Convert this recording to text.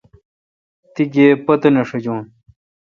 تی گیب پتہ نہ ݭاجون۔